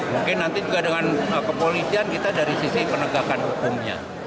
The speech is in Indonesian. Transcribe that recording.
mungkin nanti juga dengan kepolisian kita dari sisi penegakan hukumnya